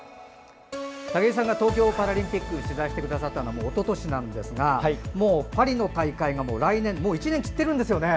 武井さんが東京パラリンピックを取材してくださったのはもうおととしなんですがパリの大会が来年もう１年切ってるんですよね。